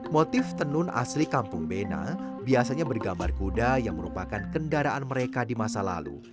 motif tenun asli kampung bena biasanya bergambar kuda yang merupakan kendaraan mereka di masa lalu